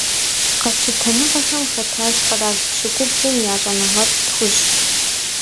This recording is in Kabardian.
Къэпщытэныгъэхэм хэтащ къэрал пщыкӏублым я щӀэныгъэлӀ тхущӏ.